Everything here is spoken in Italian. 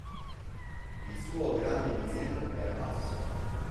Il suo grande visir era basso.